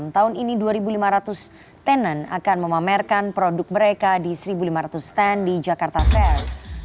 tahun ini dua lima ratus tenan akan memamerkan produk mereka di satu lima ratus stand di jakarta fair